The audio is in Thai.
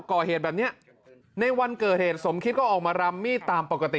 ก่อเหตุแบบนี้ในวันเกิดเหตุสมคิดก็ออกมารำมีดตามปกติ